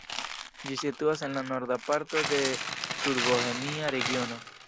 Ĝi situas en la norda parto de Sudbohemia regiono.